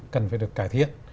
cần phải được cải thiện